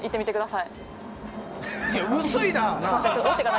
いや、薄いな！